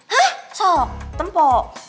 hah sok tempo